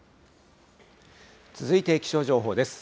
続いて気象情報です。